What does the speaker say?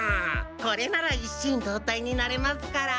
これなら一心同体になれますから。